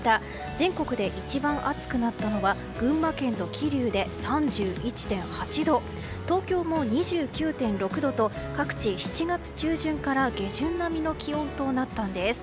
全国で一番暑くなったのは群馬県の桐生で３１．８度東京も２９．６度と各地、７月中旬から下旬並みの気温となったんです。